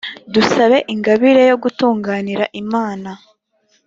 dusabe ingabire yo gutunganira imana.